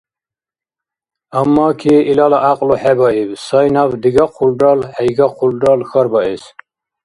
Аммаки илала гӀякьлу хӀебаиб сай наб дигахъулрал, хӀейгахъулрал, хьарбаэс.